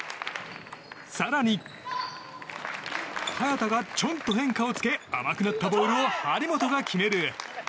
更に、早田がちょんと変化をつけ甘くなったボールを張本が決める。